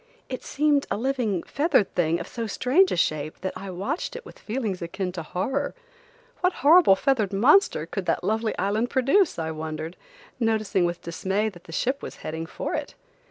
It seemed a living, feathered thing of so strange a shape that I watched it with feelings akin to horror. What horrible feathered monster could that lovely island produce, I wondered, noticing with dismay that the ship was heading for it.